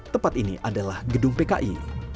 tempat ini adalah gedung pki